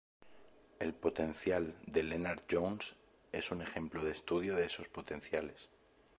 El potencial de Lennard-Jones es un ejemplo de estudio de esos potenciales.